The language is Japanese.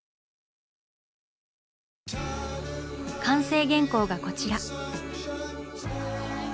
完成原稿がこちら。